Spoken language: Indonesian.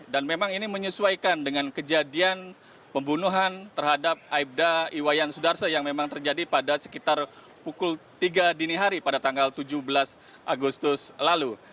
dan memang ini menyesuaikan dengan kejadian pembunuhan terhadap aibda iwayan sudarsa yang memang terjadi pada sekitar pukul tiga dini hari pada tanggal tujuh belas agustus lalu